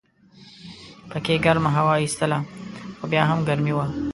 پکې ګرمه هوا ایستله خو بیا هم ګرمي وه.